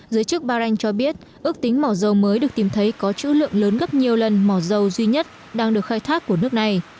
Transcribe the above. giới chức bahrain cho biết ước tính mỏ dầu mới được tìm thấy có chữ lượng lớn gấp nhiều lần mỏ dầu duy nhất đang được khai thác của nước này